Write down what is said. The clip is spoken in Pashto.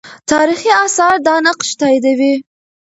تاریخي آثار دا نقش تاییدوي.